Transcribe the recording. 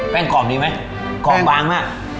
กรอบดีไหมกรอบบางมาก